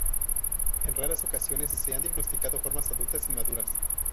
En raras ocasiones se han diagnosticado formas adultas inmaduras.